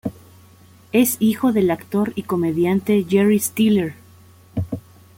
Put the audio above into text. Es hijo del actor y comediante Jerry Stiller.